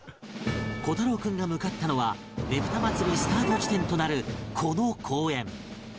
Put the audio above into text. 虎太朗君が向かったのはねぷた祭りスタート地点となるこの公園